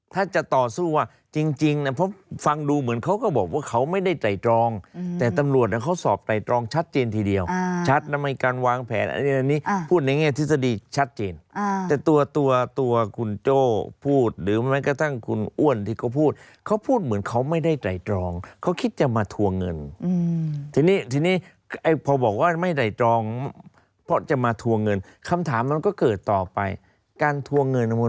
ถ้าจะต่อสู้ว่าจริงนะเพราะฟังดูเหมือนเขาก็บอกว่าเขาไม่ได้ไตรตรองแต่ตำรวจเขาสอบไตรตรองชัดเจนทีเดียวชัดนะมีการวางแผนอันนี้พูดในแง่ทฤษฎีชัดเจนแต่ตัวตัวตัวคุณโจ้พูดหรือแม้กระทั่งคุณอ้วนที่เขาพูดเขาพูดเหมือนเขาไม่ได้ไตรตรองเขาคิดจะมาทวงเงินทีนี้ทีนี้พอบอกว่าไม่ได้ตรองเพราะจะมาทวงเงินคำถามมันก็เกิดต่อไปการทวงเงิน